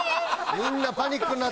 みんなパニックになってる。